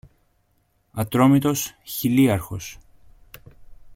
Ατρόμητος, χιλίαρχος